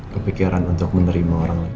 kepikiran untuk menerima orang lain